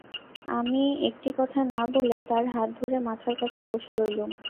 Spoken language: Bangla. আমি একটি কথা না বলে তার হাত ধরে মাথার কাছে বসে রইলুম।